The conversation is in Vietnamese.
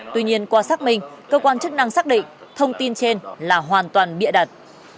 tuy nhiên qua xác minh cơ quan chức năng xác định thông tin trên là hoàn toàn bịa đặt